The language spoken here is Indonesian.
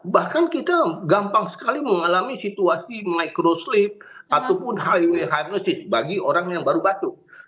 bahkan kita gampang sekali mengalami situasi microslip ataupun highway hygnosis bagi orang yang baru batuk